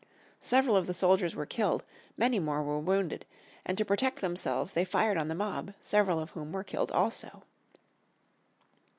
Several of the soldiers were killed, many more were wounded; and to protect themselves they fired on the mob, several of whom were killed also.